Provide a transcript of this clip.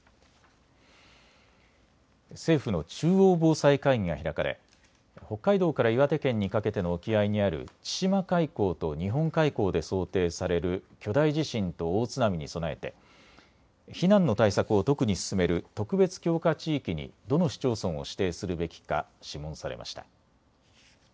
政府の中央防災会議が開かれ北海道から岩手県にかけての沖合にある千島海溝と日本海溝で想定される巨大地震と大津波に備えて避難の対策を特に進める特別強化地域にどの市町村を指定するべきか諮問されました。